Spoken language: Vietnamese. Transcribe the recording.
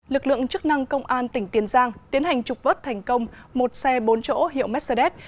lực lượng chức năng công an tỉnh tiền giang tiến hành trục vớt thành công một xe bốn chỗ hiệu mercedes